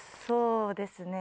そうです。